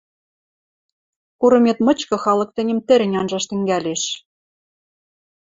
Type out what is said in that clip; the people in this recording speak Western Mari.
Курымет мычкы халык тӹньӹм тӹрӹнь анжаш тӹнгӓлеш...